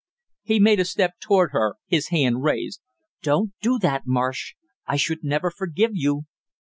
He made a step toward her, his hand raised. "Don't do that, Marsh. I should never forgive you!"